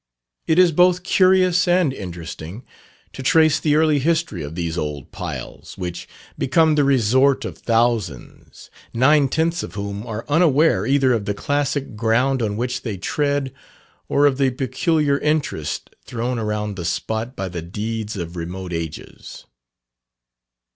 It is both curious and interesting to trace the early history of these old piles, which become the resort of thousands, nine tenths of whom are unaware either of the classic ground on which they tread, or of the peculiar interest thrown around the spot by the deeds of remote ages.